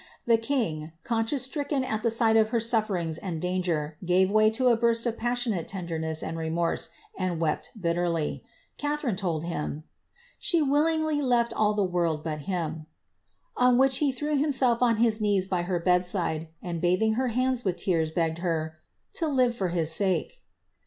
The king, conscience stricken at the sight of her sufilerings and danger, gave way to a burst of passionate tenderness and remorse, and wept bitieriy Catharine told him ^ she willingly led all the world but him,'' on which he threw himself on his knees by her bedside, and bathing her haods with tears, begged her ^^ to live for his sake.''